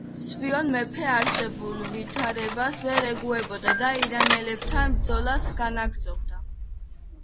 სვიმონ მეფე არსებულ ვიᲗარებას ვერ ეგუებოდა და ირანელებᲗან ბრᲫოლას განაგრᲫობდა.